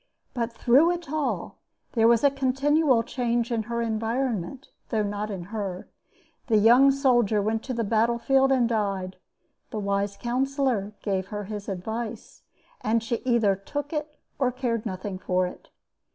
But through it all there was a continual change in her environment, though not in her. The young soldier went to the battle field and died; the wise counselor gave her his advice, and she either took it or cared nothing for it.